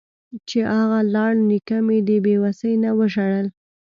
چې اغه لاړ نيکه مې د بې وسۍ نه وژړل.